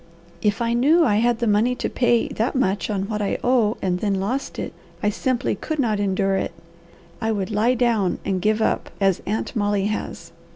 "If I knew I had the money to pay that much on what I owe, and then lost it, I simply could not endure it. I would lie down and give up as Aunt Molly has."